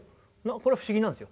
これ不思議なんですよ。